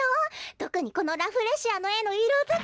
とくにこのラフレシアのえのいろづかい。